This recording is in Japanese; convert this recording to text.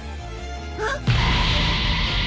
あっ！？